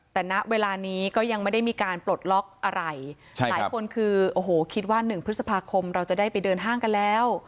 แต่ณเวลานี้ก็ยังไม่ได้มีการปลดล็อกอะไรหลายคนคือโอ้โหคิดว่า๑พฤษภาคมเราจะได้ไปเดินห้างกันแล้ว